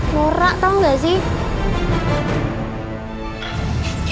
lora tahu nggak sih